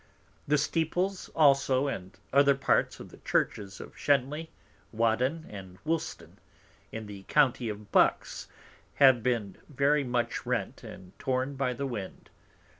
The Steeples also, and other Parts of the Churches of Shenley, Waddon, and Woolston in the County of Bucks, have been very much rent and torn by the Wind.